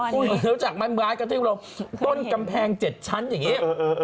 คุณเห็นขึ้นจากไม้กำแพง๗ชั้นอย่างนี้